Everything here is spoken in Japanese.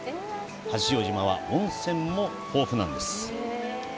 八丈島は温泉も豊富なんです。